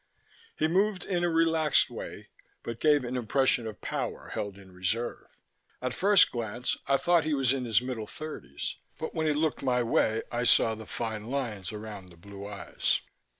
He moved in a relaxed way, but gave an impression of power held in reserve. At first glance I thought he was in his middle thirties, but when he looked my way I saw the fine lines around the blue eyes.